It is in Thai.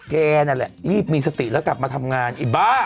นั่นแหละรีบมีสติแล้วกลับมาทำงานไอ้บ้า